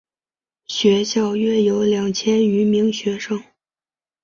学校约有两千余名学生。